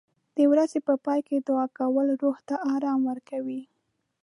د ورځې په پای کې دعا کول روح ته آرام ورکوي.